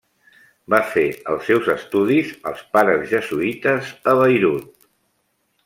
Va fer els seus estudis als pares jesuïtes a Beirut.